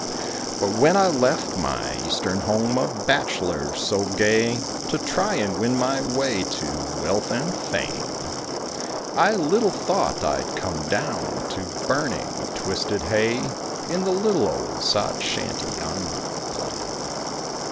But when I left my Eastern home, a bachelor so gay, To try and win my way to wealth and fame, I little thought I'd come down to burning twisted hay In the little old sod shanty on my claim.